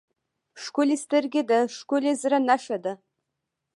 ښکلي سترګې د ښکلي زړه نښه ده.